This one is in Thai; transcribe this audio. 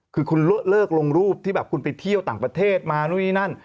คือคุณเลิกลงรูปที่แบบคุณไปเที่ยวต่างประเทศมานู่นนี่นั่น